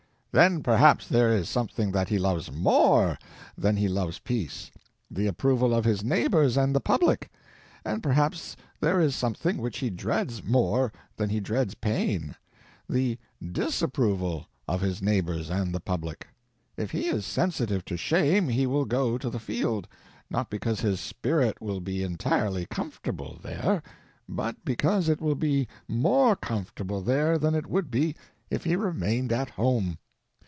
Then perhaps there is something that he loves more than he loves peace—the approval of his neighbors and the public. And perhaps there is something which he dreads more than he dreads pain—the disapproval of his neighbors and the public. If he is sensitive to shame he will go to the field—not because his spirit will be entirely comfortable there, but because it will be more comfortable there than it would be if he remained at home.